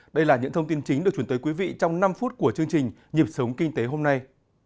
đây là những thông tin chính được chuyển tới quý vị trong năm phút của chương trình nhịp sống kinh tế hôm nay